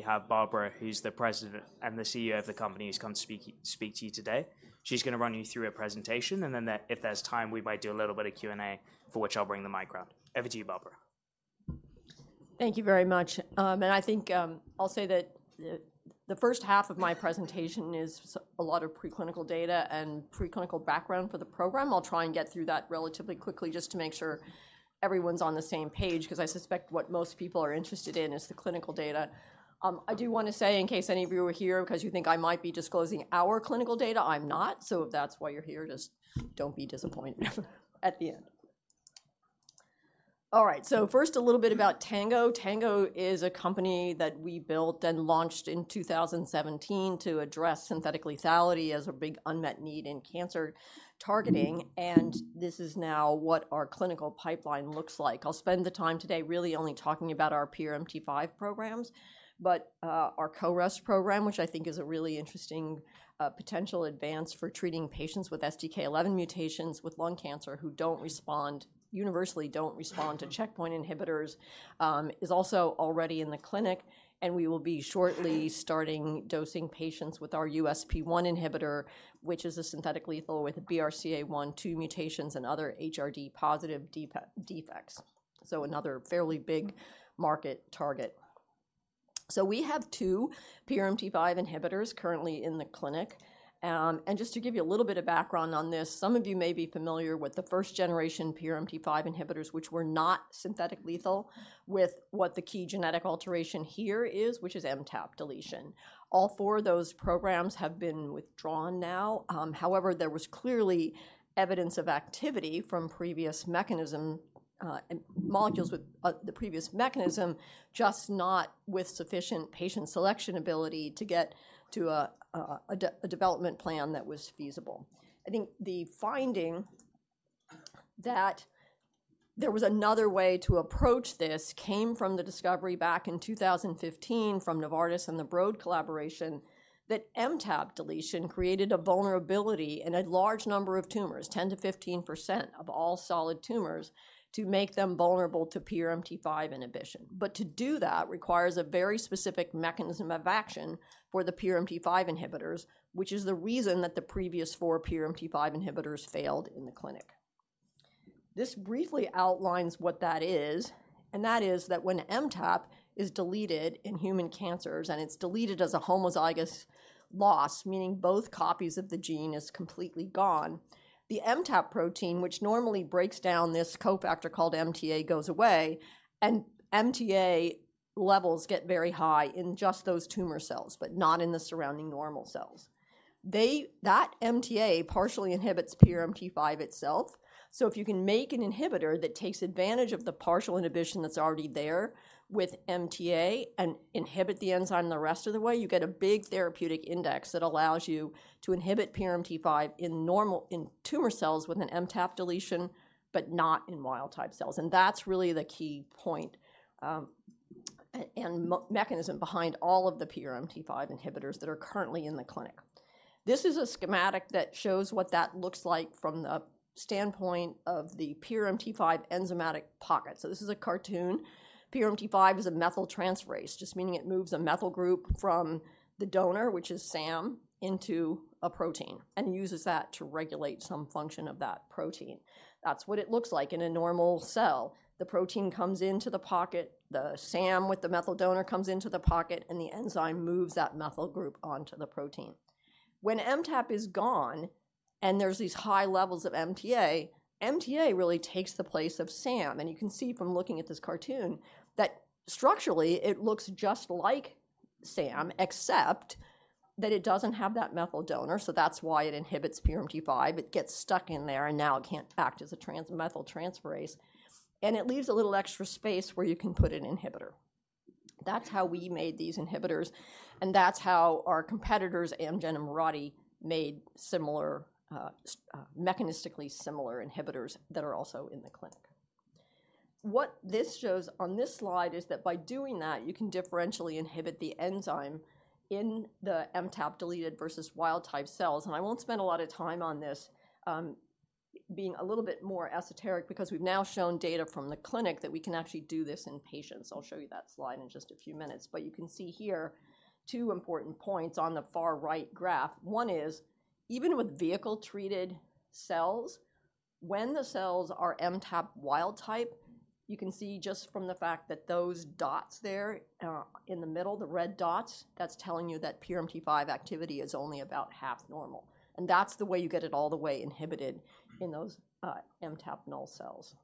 We have Barbara, who's the President and CEO of the company, who's come speak to you today. She's gonna run you through a presentation, and then there, if there's time, we might do a little bit of Q&A, for which I'll bring the mic around. Over to you, Barbara. Thank you very much. I think I'll say that the first half of my presentation is a lot of preclinical data and preclinical background for the program. I'll try and get through that relatively quickly just to make sure everyone's on the same page, 'cause I suspect what most people are interested in is the clinical data. I do wanna say, in case any of you are here, 'cause you think I might be disclosing our clinical data, I'm not, so if that's why you're here, just don't be disappointed at the end. All right, first, a little bit about Tango. Tango is a company that we built and launched in 2017 to address synthetic lethality as a big unmet need in cancer targeting, and this is now what our clinical pipeline looks like. I'll spend the time today really only talking about our PRMT5 programs, but our CoREST program, which I think is a really interesting potential advance for treating patients with STK11 mutations with lung cancer who universally don't respond to checkpoint inhibitors, is also already in the clinic, and we will be shortly starting dosing patients with our USP1 inhibitor, which is a synthetic lethal with BRCA1/2 mutations and other HRD-positive defects, so another fairly big market target. So we have two PRMT5 inhibitors currently in the clinic. And just to give you a little bit of background on this, some of you may be familiar with the first-generation PRMT5 inhibitors, which were not synthetic lethal with what the key genetic alteration here is, which is MTAP deletion. All four of those programs have been withdrawn now. However, there was clearly evidence of activity from previous mechanism, and molecules with the previous mechanism, just not with sufficient patient selection ability to get to a development plan that was feasible. I think the finding that there was another way to approach this came from the discovery back in 2015 from Novartis and the Broad Collaboration, that MTAP deletion created a vulnerability in a large number of tumors, 10%-15% of all solid tumors, to make them vulnerable to PRMT5 inhibition. But to do that requires a very specific mechanism of action for the PRMT5 inhibitors, which is the reason that the previous four PRMT5 inhibitors failed in the clinic. This briefly outlines what that is, and that is that when MTAP is deleted in human cancers, and it's deleted as a homozygous loss, meaning both copies of the gene is completely gone, the MTAP protein, which normally breaks down this cofactor called MTA, goes away, and MTA levels get very high in just those tumor cells, but not in the surrounding normal cells. That MTA partially inhibits PRMT5 itself, so if you can make an inhibitor that takes advantage of the partial inhibition that's already there with MTA and inhibit the enzyme the rest of the way, you get a big therapeutic index that allows you to inhibit PRMT5 in normal- in tumor cells with an MTAP deletion, but not in wild-type cells, and that's really the key point, and mechanism behind all of the PRMT5 inhibitors that are currently in the clinic. This is a schematic that shows what that looks like from the standpoint of the PRMT5 enzymatic pocket. So this is a cartoon. PRMT5 is a methyltransferase, just meaning it moves a methyl group from the donor, which is SAM, into a protein and uses that to regulate some function of that protein. That's what it looks like in a normal cell. The protein comes into the pocket, the SAM with the methyl donor comes into the pocket, and the enzyme moves that methyl group onto the protein. When MTAP is gone and there's these high levels of MTA, MTA really takes the place of SAM. And you can see from looking at this cartoon, that structurally it looks just like SAM, except that it doesn't have that methyl donor, so that's why it inhibits PRMT5. It gets stuck in there, and now it can't act as a Trans Methyltransferase, and it leaves a little extra space where you can put an inhibitor. That's how we made these inhibitors, and that's how our competitors, Amgen and Mirati, made similar, mechanistically similar inhibitors that are also in the clinic. What this shows on this slide is that by doing that, you can differentially inhibit the enzyme in the MTAP-deleted versus wild-type cells, and I won't spend a lot of time on this, being a little bit more esoteric, because we've now shown data from the clinic that we can actually do this in patients. I'll show you that slide in just a few minutes. But you can see here two important points on the far right graph. One is, even with vehicle-treated cells, when the cells are MTAP wild type, you can see just from the fact that those dots there, in the middle, the red dots, that's telling you that PRMT5 activity is only about half normal, and that's the way you get it all the way inhibited in those MTAPnull cells.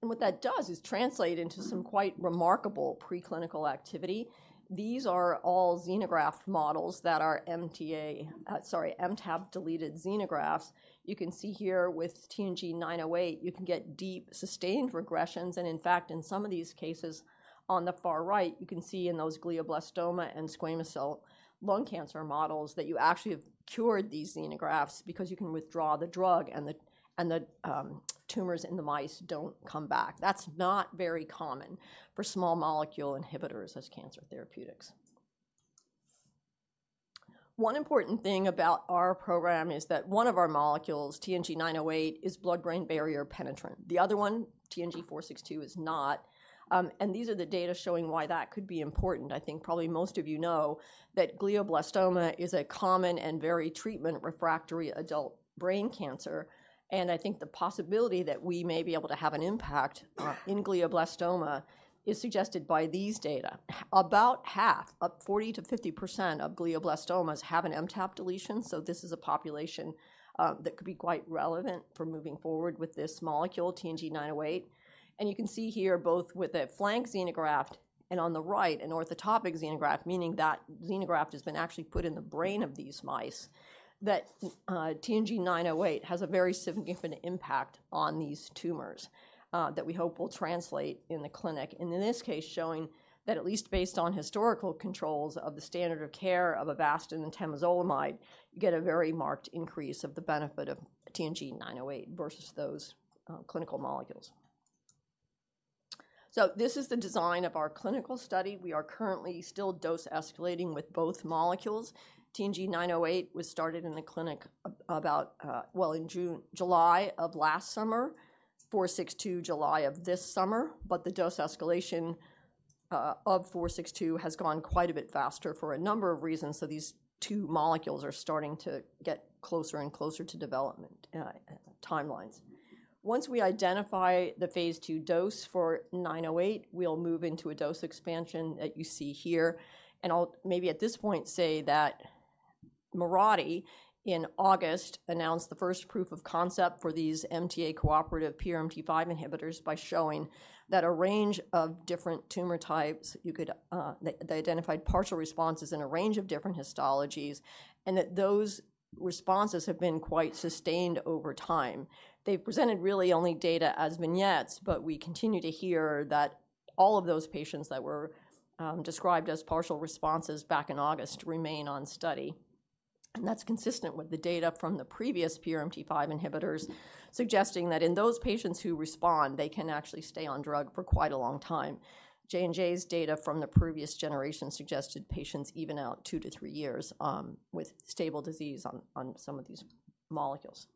And what that does is translate into some quite remarkable preclinical activity. These are all xenograft models that are MTA, sorry, MTAP-deleted xenografts. You can see here with TNG908, you can get deep, sustained regressions, and in fact, in some of these cases, on the far right, you can see in those glioblastoma and squamous cell lung cancer models, that you actually have cured these xenografts, because you can withdraw the drug, and the, and the tumors in the mice don't come back. That's not very common for small molecule inhibitors as cancer therapeutics. One important thing about our program is that one of our molecules, TNG908, is blood-brain barrier penetrant. The other one, TNG462, is not. And these are the data showing why that could be important. I think probably most of you know that glioblastoma is a common and very treatment-refractory adult brain cancer, and I think the possibility that we may be able to have an impact in glioblastoma is suggested by these data. About half, up 40%-50% of glioblastomas have an MTAP deletion, so this is a population that could be quite relevant for moving forward with this molecule, TNG908. You can see here, both with a flank xenograft and on the right, an orthotopic xenograft, meaning that xenograft has been actually put in the brain of these mice, that TNG908 has a very significant impact on these tumors, that we hope will translate in the clinic. In this case, showing that at least based on historical controls of the standard of care of Avastin and temozolomide, you get a very marked increase of the benefit of TNG908 versus those clinical molecules. So this is the design of our clinical study. We are currently still dose escalating with both molecules. TNG908 was started in the clinic about, well, in June-July of last summer, TNG462, July of this summer. But the dose escalation of TNG462 has gone quite a bit faster for a number of reasons, so these two molecules are starting to get closer and closer to development timelines. Once we identify the phase 2 dose for TNG908, we'll move into a dose expansion that you see here. And I'll maybe at this point say that Mirati, in August, announced the first proof of concept for these MTA-cooperative PRMT5 inhibitors by showing that a range of different tumor types, you could... They, they identified partial responses in a range of different histologies, and that those responses have been quite sustained over time. They've presented really only data as vignettes, but we continue to hear that all of those patients that were described as partial responses back in August remain on study. That's consistent with the data from the previous PRMT5 inhibitors, suggesting that in those patients who respond, they can actually stay on drug for quite a long time. J&J's data from the previous generation suggested patients even out 2-3 years with stable disease on some of these molecules.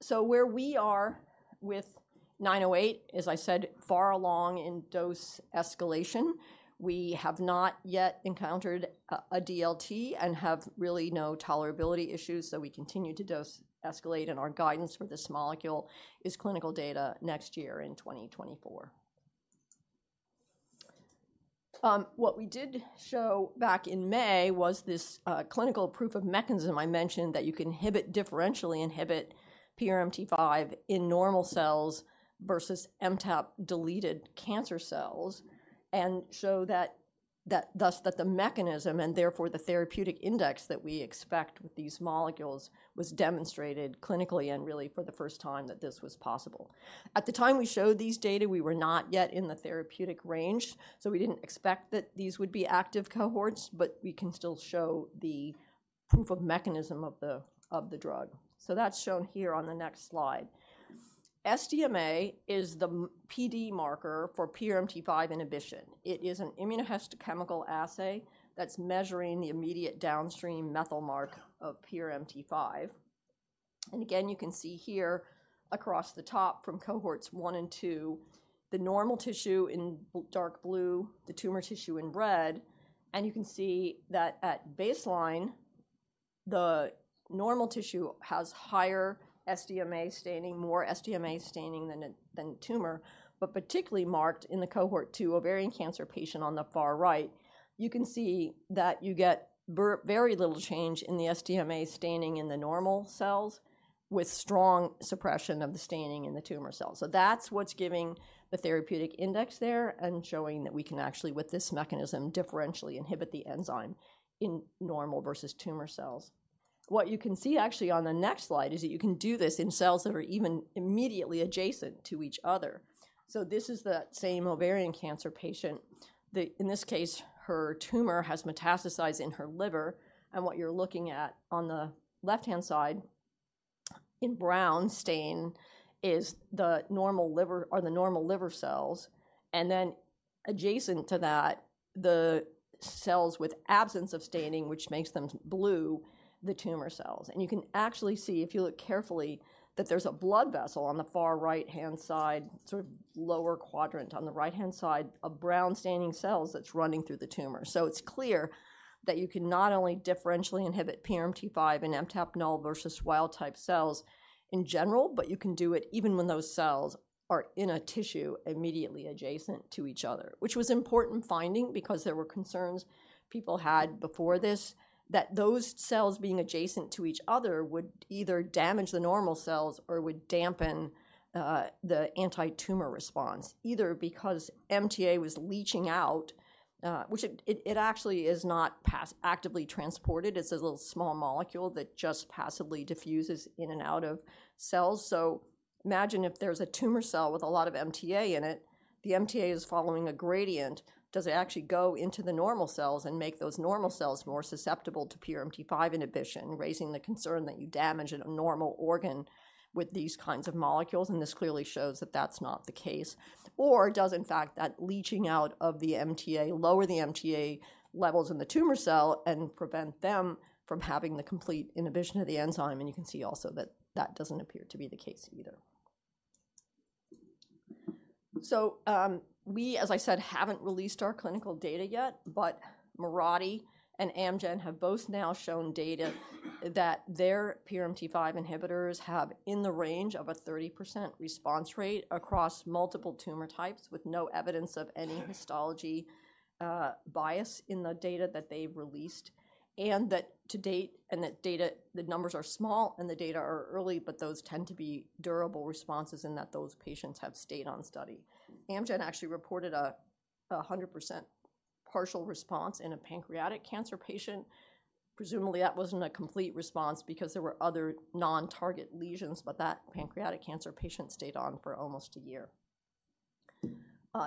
So where we are with 908, as I said, far along in dose escalation, we have not yet encountered a DLT and have really no tolerability issues, so we continue to dose escalate, and our guidance for this molecule is clinical data next year in 2024. What we did show back in May was this clinical proof of mechanism. I mentioned that you can inhibit, differentially inhibit PRMT5 in normal cells versus MTAP-deleted cancer cells, and show that thus the mechanism, and therefore the therapeutic index that we expect with these molecules, was demonstrated clinically and really for the first time, that this was possible. At the time we showed these data, we were not yet in the therapeutic range, so we didn't expect that these would be active cohorts, but we can still show the proof of mechanism of the drug. So that's shown here on the next slide. SDMA is the PD marker for PRMT5 inhibition. It is an immunohistochemical assay that's measuring the immediate downstream methyl mark of PRMT5. And again, you can see here across the top from cohorts 1 and 2, the normal tissue in dark blue, the tumor tissue in red, and you can see that at baseline, the normal tissue has higher SDMA staining, more SDMA staining than a tumor, but particularly marked in the cohort 2 ovarian cancer patient on the far right. You can see that you get very little change in the SDMA staining in the normal cells, with strong suppression of the staining in the tumor cells. So that's what's giving the therapeutic index there and showing that we can actually, with this mechanism, differentially inhibit the enzyme in normal versus tumor cells. What you can see actually on the next slide, is that you can do this in cells that are even immediately adjacent to each other. So this is the same ovarian cancer patient, that in this case, her tumor has metastasized in her liver, and what you're looking at on the left-hand side, in brown stain, is the normal liver or the normal liver cells, and then adjacent to that, the cells with absence of staining, which makes them blue, the tumor cells. And you can actually see, if you look carefully, that there's a blood vessel on the far right-hand side, sort of lower quadrant on the right-hand side, of brown-staining cells that's running through the tumor. So it's clear that you can not only differentially inhibit PRMT5 in MTAP null versus wild-type cells in general, but you can do it even when those cells are in a tissue immediately adjacent to each other. Which was important finding, because there were concerns people had before this, that those cells being adjacent to each other would either damage the normal cells or would dampen the anti-tumor response, either because MTA was leaching out, which it actually is not actively transported. It's a little small molecule that just passively diffuses in and out of cells. So imagine if there's a tumor cell with a lot of MTA in it, the MTA is following a gradient, does it actually go into the normal cells and make those normal cells more susceptible to PRMT5 inhibition, raising the concern that you damage a normal organ with these kinds of molecules, and this clearly shows that that's not the case. Or does, in fact, that leaching out of the MTA lower the MTA levels in the tumor cell and prevent them from having the complete inhibition of the enzyme, and you can see also that that doesn't appear to be the case either. So, we, as I said, haven't released our clinical data yet, but Mirati and Amgen have both now shown data that their PRMT5 inhibitors have in the range of a 30% response rate across multiple tumor types, with no evidence of any histology, bias in the data that they've released, and that to date, and that data, the numbers are small, and the data are early, but those tend to be durable responses, and that those patients have stayed on study. Amgen actually reported a 100% partial response in a pancreatic cancer patient. Presumably, that wasn't a complete response because there were other non-target lesions, but that pancreatic cancer patient stayed on for almost a year.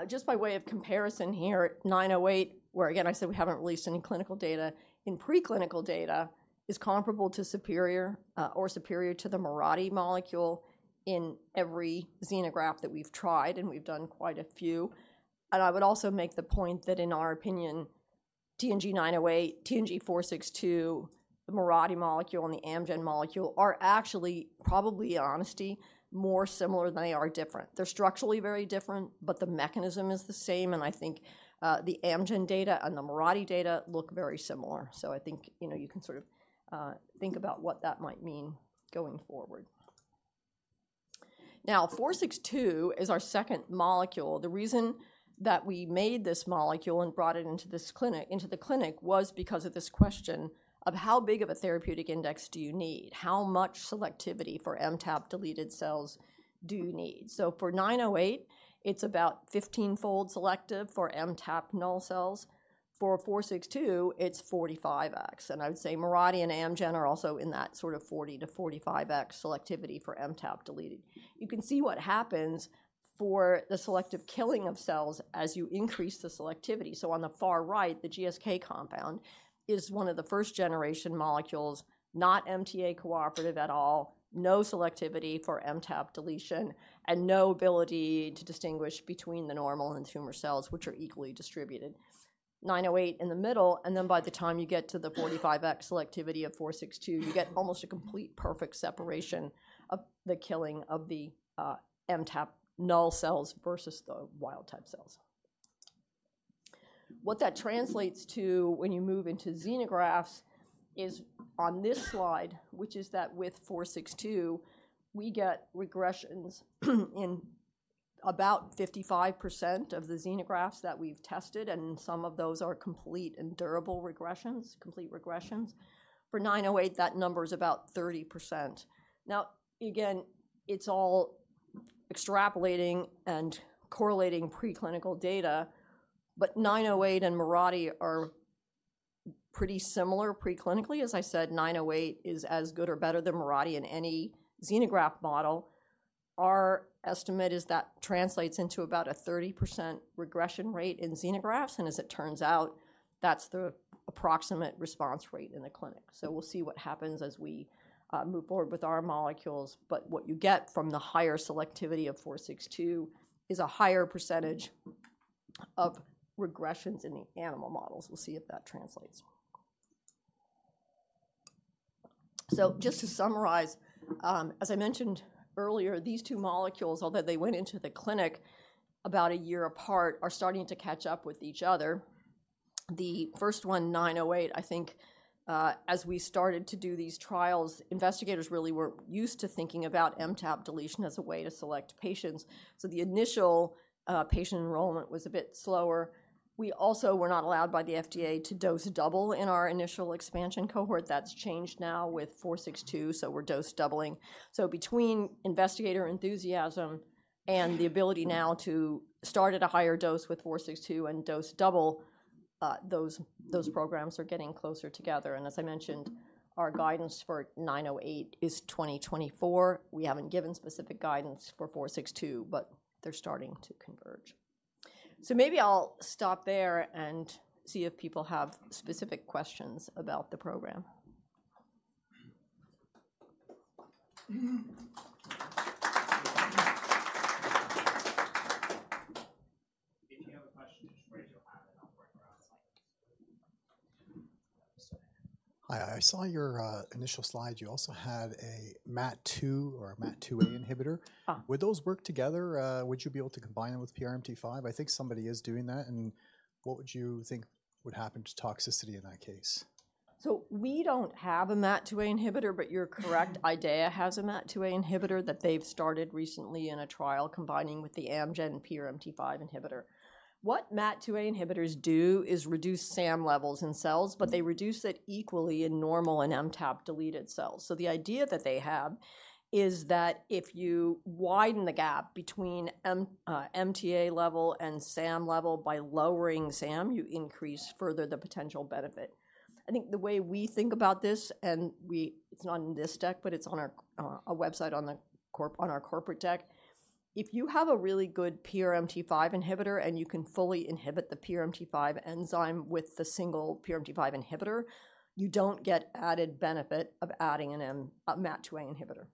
Just by way of comparison here, 908, where again, I said we haven't released any clinical data, in preclinical data, is comparable to superior, or superior to the Mirati molecule in every xenograft that we've tried, and we've done quite a few. And I would also make the point that, in our opinion, TNG908, TNG462, the Mirati molecule, and the Amgen molecule are actually probably in honesty, more similar than they are different. They're structurally very different, but the mechanism is the same, and I think, the Amgen data and the Mirati data look very similar. So I think, you know, you can sort of, think about what that might mean going forward. Now, 462 is our second molecule. The reason that we made this molecule and brought it into the clinic was because of this question of how big of a therapeutic index do you need? How much selectivity for MTAP-deleted cells do you need? So for 908, it's about 15-fold selective for MTAPnull cells. For 462, it's 45x, and I would say Mirati and Amgen are also in that sort of 40-45x selectivity for MTAP deletion. You can see what happens for the selective killing of cells as you increase the selectivity. So on the far right, the GSK compound is one of the first-generation molecules, not MTA-cooperative at all, no selectivity for MTAP deletion, and no ability to distinguish between the normal and tumor cells, which are equally distributed. TNG908 in the middle, and then by the time you get to the 45x selectivity of TNG462, you get almost a complete perfect separation of the killing of the MTAPnull cells versus the wild-type cells. What that translates to when you move into xenografts is on this slide, which is that with TNG462, we get regressions in about 55% of the xenografts that we've tested, and some of those are complete and durable regressions, complete regressions. For TNG908, that number is about 30%. Now, again, it's all extrapolating and correlating preclinical data, but TNG908 and Mirati are pretty similar preclinically. As I said, TNG908 is as good or better than Mirati in any xenograft model. Our estimate is that translates into about a 30% regression rate in xenografts, and as it turns out, that's the approximate response rate in the clinic. So we'll see what happens as we move forward with our molecules, but what you get from the higher selectivity of 462 is a higher percentage of regressions in the animal models. We'll see if that translates. So just to summarize, as I mentioned earlier, these two molecules, although they went into the clinic about a year apart, are starting to catch up with each other. The first one, 908, I think, as we started to do these trials, investigators really were used to thinking about MTAP deletion as a way to select patients, so the initial patient enrollment was a bit slower. We also were not allowed by the FDA to dose double in our initial expansion cohort. That's changed now with 462, so we're dose doubling. So between investigator enthusiasm and the ability now to start at a higher dose with 462 and dose double, those programs are getting closer together. And as I mentioned, our guidance for 908 is 2024. We haven't given specific guidance for 462, but they're starting to converge. So maybe I'll stop there and see if people have specific questions about the program. If you have a question, just raise your hand and I'll bring it around. Hi, I saw your initial slide. You also had a MAT2 or a MAT2A inhibitor. Would those work together? Would you be able to combine them with PRMT5? I think somebody is doing that, and what would you think would happen to toxicity in that case? So we don't have a MAT2A inhibitor, but you're correct, IDEAYA has a MAT2A inhibitor that they've started recently in a trial, combining with the Amgen PRMT5 inhibitor. What MAT2A inhibitors do is reduce SAM levels in cells, but they reduce it equally in normal and MTAP-deleted cells. So the idea that they have is that if you widen the gap between M, MTA level and SAM level by lowering SAM, you increase further the potential benefit. I think the way we think about this. It's not in this deck, but it's on our website, on our corporate deck. If you have a really good PRMT5 inhibitor, and you can fully inhibit the PRMT5 enzyme with the single PRMT5 inhibitor, you don't get added benefit of adding a MAT2A inhibitor.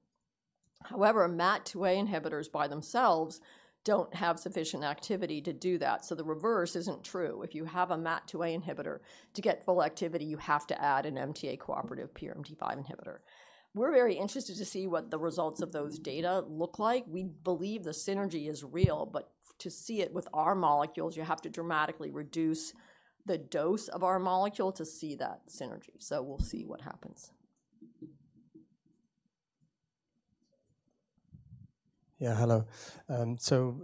However, MAT2A inhibitors by themselves don't have sufficient activity to do that, so the reverse isn't true. If you have a MAT2A inhibitor, to get full activity, you have to add an MTA cooperative PRMT5 inhibitor. We're very interested to see what the results of those data look like. We believe the synergy is real, but to see it with our molecules, you have to dramatically reduce the dose of our molecule to see that synergy. So we'll see what happens. Yeah, hello. So,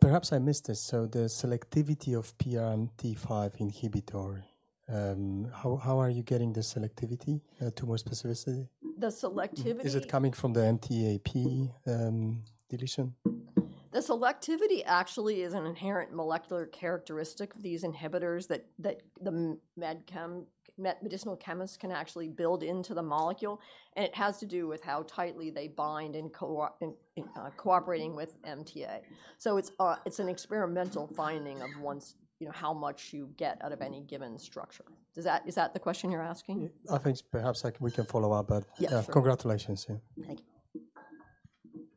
perhaps I missed this, so the selectivity of PRMT5 inhibitor, how are you getting the selectivity to more specificity? The selectivity. Is it coming from the MTAP, deletion? The selectivity actually is an inherent molecular characteristic of these inhibitors, that the medicinal chemists can actually build into the molecule, and it has to do with how tightly they bind in cooperating with MTA. So it's an experimental finding of once, you know, how much you get out of any given structure. Does that, is that the question you're asking? I think perhaps we can follow up, but. Yeah, sure. Congratulations. Yeah. Thank you. I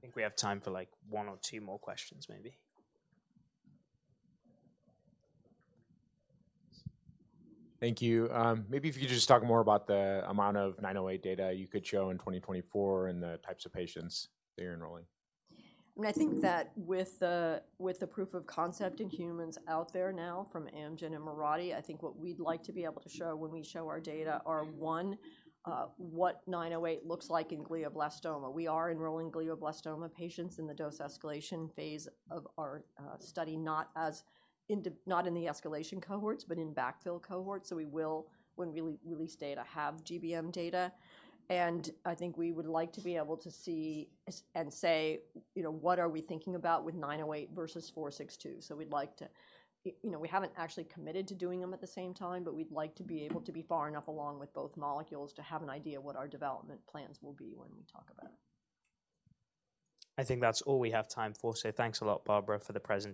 think we have time for, like, one or two more questions, maybe. Thank you. Maybe if you could just talk more about the amount of 908 data you could show in 2024 and the types of patients that you're enrolling? I mean, I think that with the proof of concept in humans out there now, from Amgen and Mirati, I think what we'd like to be able to show when we show our data are, one, what 908 looks like in glioblastoma. We are enrolling glioblastoma patients in the dose escalation phase of our study, not in the escalation cohorts, but in backfill cohorts, so we will, when we release data, have GBM data. And I think we would like to be able to see and say, you know, what are we thinking about with 908 versus 462? So we'd like to... You know, we haven't actually committed to doing them at the same time, but we'd like to be able to be far enough along with both molecules to have an idea what our development plans will be when we talk about it. I think that's all we have time for, so thanks a lot, Barbara, for the presentation.